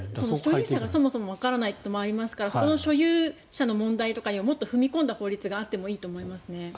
所有者がわからないということがありますからその所有者の問題とかにもっと踏み込んだ法律もあってもいいと思いますね。